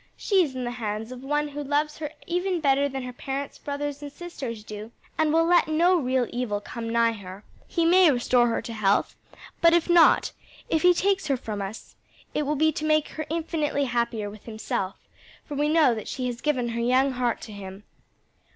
"She is in the hands of One who loves her even better than her parents, brothers and sisters do, and will let no real evil come nigh her. He may restore her to health, but if not if he takes her from us, it will be to make her infinitely happier with himself; for we know that she has given her young heart to him."